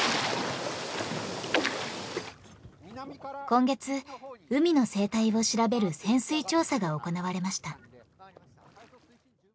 今月海の生態を調べる潜水調査が行われました。